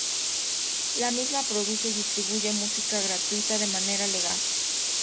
La misma produce y distribuye música gratuita de manera legal.